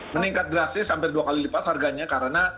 meningkat drastis sampai dua kali lipat harganya karena